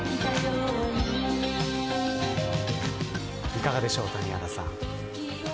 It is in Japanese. いかがでしょう谷原さん。